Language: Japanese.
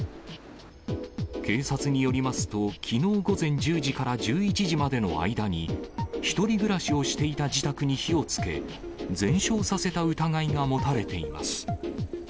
警察によりますと、きのう午前１０時から１１時までの間に、１人暮らしをしていた自宅に火をつけ、全焼させた疑いが持たれています。